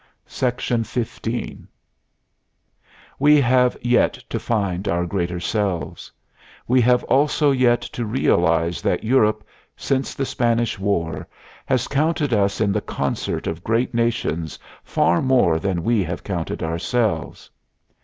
XV We have yet to find our greater selves. We have also yet to realize that Europe, since the Spanish War, has counted us in the concert of great nations far more than we have counted ourselves.